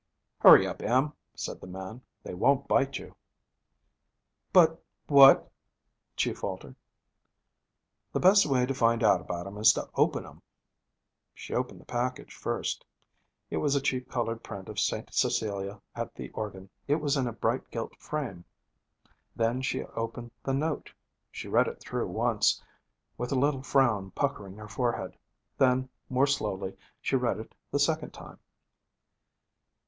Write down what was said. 'Hurry up, Em,' said the man. 'They won't bite you.' 'But what ' she faltered. 'The best way to find out about 'em is to open 'em.' She opened the package first. It was a cheap colored print of St. Cecilia at the Organ. It was in a bright gilt frame. Then she opened the note. She read it through once, with a little frown puckering her forehead. Then, more slowly, she read it the second time.